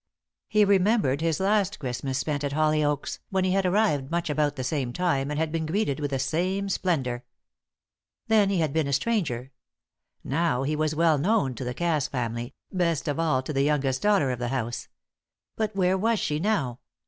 He remembered his last Christmas spent at Hollyoaks, when he had arrived much about the same time and had been greeted with the same splendour. Then he had been a stranger; now he was well known to the Cass family, best of all to the youngest daughter of the house. But where was she now?